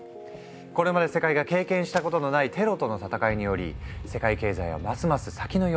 これまで世界が経験したことのないテロとの戦いにより世界経済はますます先の読めない状況に。